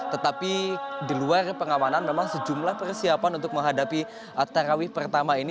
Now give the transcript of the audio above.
tetapi di luar pengamanan memang sejumlah persiapan untuk menghadapi tarawih pertama ini